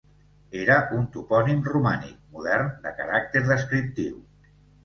És un topònim romànic modern de caràcter descriptiu.